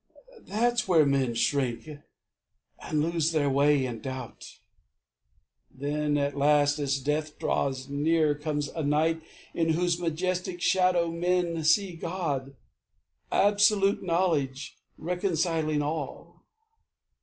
That's where men shrink, and lose their way in doubt. Then, last, as death draws nearer, comes a night In whose majestic shadow men see God, Absolute Knowledge, reconciling all.